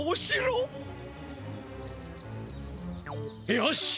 よし。